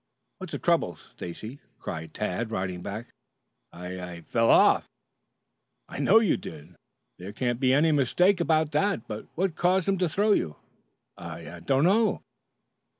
"What's the trouble, Stacy?" cried Tad riding back. "I I fell off." "I know you did. There couldn't be any mistake about that, but what caused him to throw you?" "I I don't know."